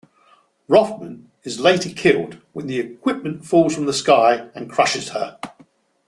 Rothman is later killed when the equipment falls from the sky and crushes her.